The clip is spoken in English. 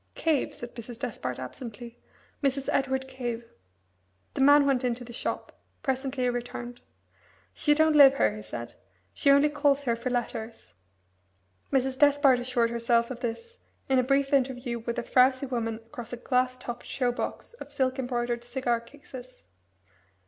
"Cave," said Mrs. Despard absently; "Mrs. Edward Cave." The man went into the shop. Presently he returned. "She don't live here," he said; "she only calls here for letters." Mrs. Despard assured herself of this in a brief interview with a frowsy woman across a glass topped show box of silk embroidered cigar cases.